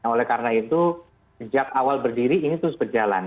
oleh karena itu sejak awal berdiri ini terus berjalan